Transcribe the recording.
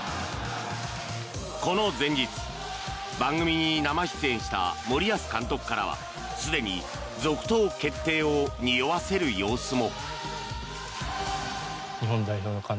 この前日、番組に生出演した森保監督からはすでに続投決定をにおわせる様子も。